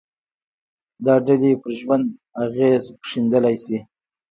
دا ډلې پر ژوند اغېز ښندلای شي